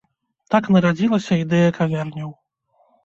Так нарадзілася ідэя кавярняў.